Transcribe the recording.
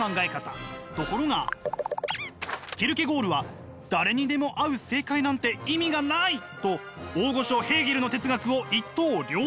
ところがキルケゴールは誰にでも合う正解なんて意味がない！と大御所ヘーゲルの哲学を一刀両断！